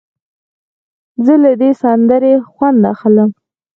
زه له دې سندرې خوند اخلم.